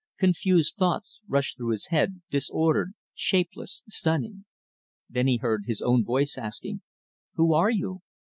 Confused thoughts rushed through his head, disordered, shapeless, stunning. Then he heard his own voice asking "Who are you?"